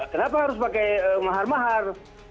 kenapa harus pakai mahar mahar